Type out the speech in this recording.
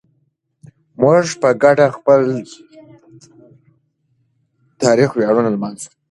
موږ په ګډه خپل تاریخي ویاړونه لمانځو.